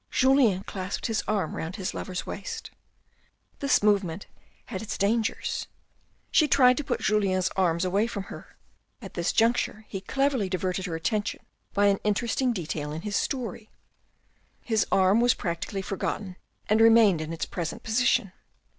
Julien clasped his arm round his love's waist. This movement had its dangers. She tr ed to put Julien's arms away from her ; at this juncture he cleverly diverted her attention by an interesting detail in his story. The arm was practically forgotten and remained in its present position.